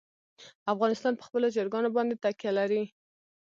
افغانستان په خپلو چرګانو باندې تکیه لري.